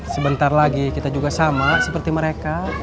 sebentar lagi kita juga sama seperti mereka